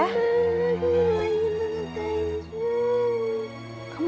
bagaimana gue mau mainkan kenzo